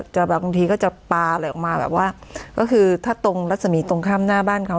บางทีก็จะปลาอะไรออกมาแบบว่าก็คือถ้าตรงรัศมีตรงข้ามหน้าบ้านเขา